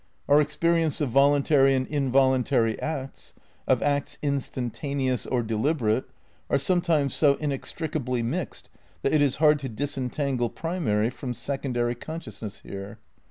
Our experience of voluntary and involuntary acts, of acts instantaneous or deliberate, are sometimes so inextricably mixed that it is hard to disentangle primary from secondary consciousness here.